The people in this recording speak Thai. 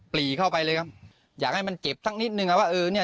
ปรีเข้าไปเลยครับอยากให้มันเจ็บสักนิดนึงอ่ะว่าเออเนี่ย